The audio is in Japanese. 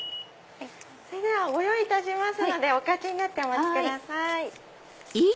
それではご用意いたしますのでお掛けになってお待ちください。